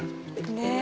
ねえ。